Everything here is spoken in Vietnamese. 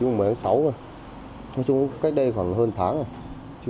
nói chung cách đây khoảng hơn tháng rồi